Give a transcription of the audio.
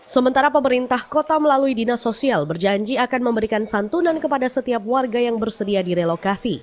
sementara pemerintah kota melalui dinas sosial berjanji akan memberikan santunan kepada setiap warga yang bersedia direlokasi